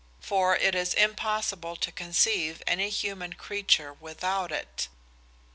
For it is impossible to conceive any human creature without it.